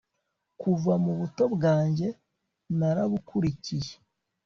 kuva mu buto bwanjye narabukurikiye